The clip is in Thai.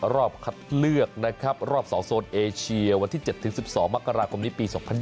รอบคัดเลือกนะครับรอบ๒โซนเอเชียวันที่๗๑๒มกราคมนี้ปี๒๐๒๐